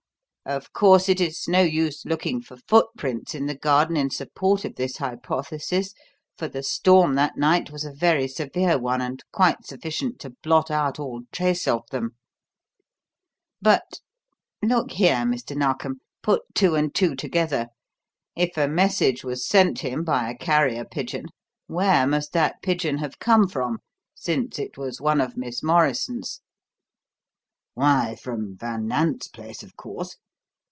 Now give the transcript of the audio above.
Of course, it is no use looking for footprints in the garden in support of this hypothesis, for the storm that night was a very severe one and quite sufficient to blot out all trace of them; but Look here, Mr. Narkom, put two and two together. If a message was sent him by a carrier pigeon, where must that pigeon have come from, since it was one of Miss Morrison's?" "Why, from Van Nant's place, of course.